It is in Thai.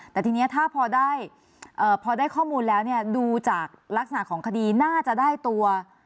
แต่ทีนี้ถ้าพอได้ข้อมูลแล้วเนี่ยดูจากลักษณะของคดีน่าจะได้ตัว